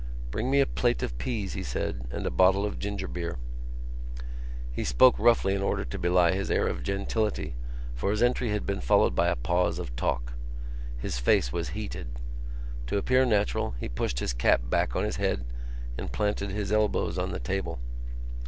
"Bring me a plate of peas," he said, "and a bottle of ginger beer." He spoke roughly in order to belie his air of gentility for his entry had been followed by a pause of talk. His face was heated. To appear natural he pushed his cap back on his head and planted his elbows on the table.